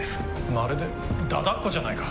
まるで駄々っ子じゃないか！